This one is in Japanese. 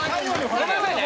ごめんなさいね。